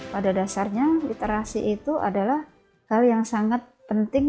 pada dasarnya literasi itu adalah hal yang sangat penting